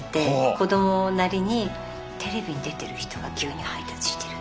子どもなりにテレビに出てる人が牛乳配達してる。